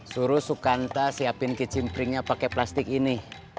suruh sukanta siapin kicimpringnya pakai plastik ini